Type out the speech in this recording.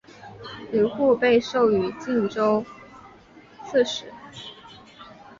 吕护被授予冀州刺史。